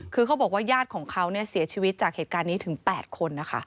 คือเขาบอกว่าญาติของเขาเสียชีวิตจากเหตุการณ์นี้ถึง๘คนนะคะ